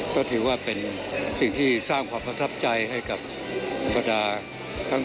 ก็ถือว่าเป็นสิ่งที่สร้างความประทับใจให้กับบรรดาทั้ง